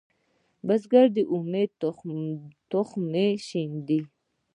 بزګر د امید تخم شیندي